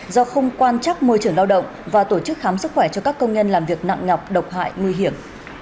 do không quan trắc môi trường lao động và tổ chức khám sức khỏe cho các công nhân làm việc nặng nhọc độc hại nguy hiểm